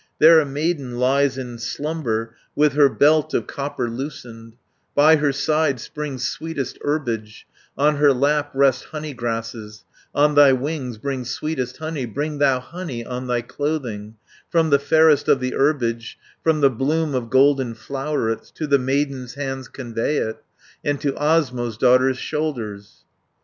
350 There a maiden lies in slumber, With her belt of copper loosened; By her side springs sweetest herbage, On her lap rest honey grasses, On thy wings bring sweetest honey, Bring thou honey on thy clothing, From the fairest of the herbage, From the bloom of golden flowerets, To the maiden's hands convey it, And to Osmo's daughter's shoulders.'